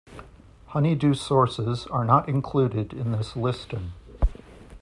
Honeydew sources are not included in this listing.